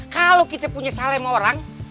kalau kita punya salah sama orang